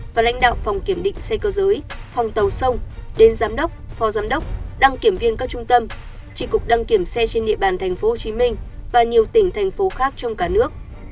và lãnh đạo phòng kiểm định xe cơ giới phòng tàu sông đến giám đốc phó giám đốc đăng kiểm viên các trung tâm trị cục đăng kiểm xe trên địa bàn thành phố hồ chí minh và nhiều tỉnh thành phố khác trong cả nước